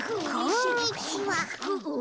こんにちは。